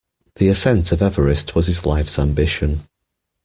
The ascent of Everest was his life's ambition